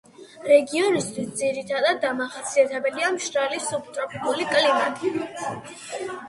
რეგიონისთვის ძირითადად დამახასიათებელია მშრალი სუბტროპიკული კლიმატი.